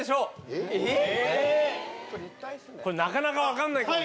これなかなか分かんないかも。